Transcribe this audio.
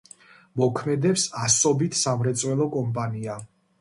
მოქმედებს ასობით სამრეწველო კომპანია.